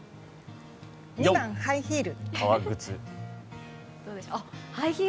２番、ハイヒール！